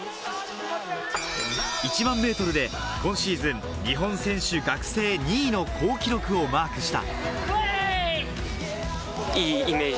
１００００ｍで今シーズン、日本選手、学生２位の好記録をマークした。